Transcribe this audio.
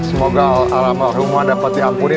semoga alam al rumah dapat diampuni